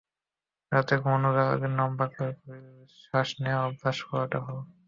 রাতে ঘুমাতে যাওয়ার আগে লম্বা করে গভীরভাবে শ্বাস নেওয়ার অভ্যাস করাটা ভালো।